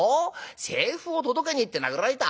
財布を届けに行って殴られた？